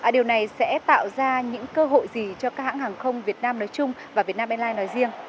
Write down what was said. điều này sẽ tạo ra những cơ hội gì cho các hãng hàng không việt nam nói chung và việt nam airlines nói riêng